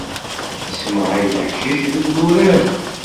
Issemɣay-d leḥcic deg idurar.